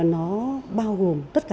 nó bao gồm tất cả